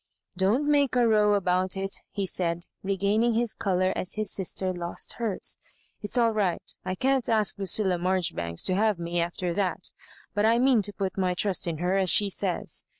"Don't make a row about it," he said, regaining his colour as his sister lost hers, *' It's all right. I can't ask Lu cilla Marjoribanks to have me after that» but I mean to put my trust in her, as she says.